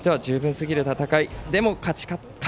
うちとしては十分すぎる戦い。